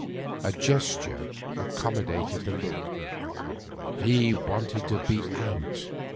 A gesture accompanied the look. He wanted to be out.